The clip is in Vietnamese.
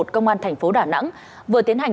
công an thành phố đà nẵng vừa tiến hành